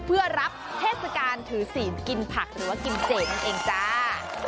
เพื่อรับเทศกาลถือศีลกินผักหรือว่ากินเจนั่นเองจ้า